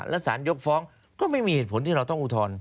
และสารยกฟ้องก็ไม่มีเหตุผลที่เราต้องอุทธรณ์